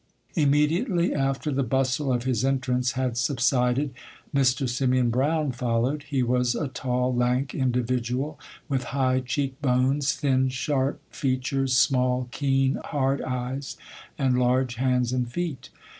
Immediately after the bustle of his entrance had subsided, Mr. Simeon Brown followed. He was a tall, lank individual, with high cheek bones, thin, sharp features, small, keen, hard eyes, and large hands and feet.